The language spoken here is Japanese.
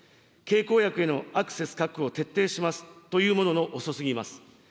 経口薬へのアクセス確保を徹底しますというものの遅すぎます。